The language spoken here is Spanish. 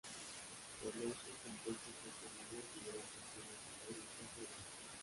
Cuando estos compuestos son fundidos liberan toxinas al aire, tierra y agua.